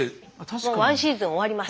もうワンシーズン終わります。